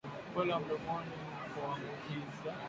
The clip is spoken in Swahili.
upele wa mdomoni wa kuambukiza